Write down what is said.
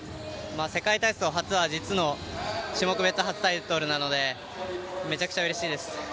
世界体操種目別初タイトルなのでめちゃくちゃうれしいです。